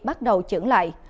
bắt đầu trưởng lại